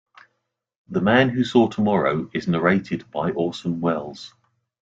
"The Man Who Saw Tomorrow" is narrated by Orson Welles.